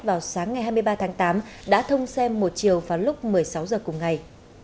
vào sáng ngày hai mươi ba tháng tám đã thông xe một chiều vào lúc một mươi sáu h cùng ngày